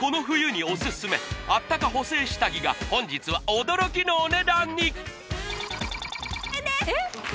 この冬にオススメあったか補整下着が本日は驚きのお値段にですえっ？